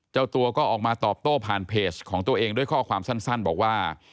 เจ้าตัวก็ออกมาตอบโต้ผ่านเพจของตัวเองด้วยข้อความสั้นบอกว่า